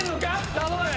頼む！